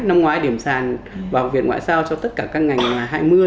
năm ngoái điểm sàn vào học viện ngoại giao cho tất cả các ngành là hai mươi